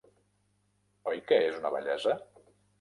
Oi que és una bellesa?